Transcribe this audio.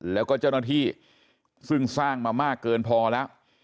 แล้วก็เจ้าหน้าที่ซึ่งสร้างมามากเกินพอแล้ว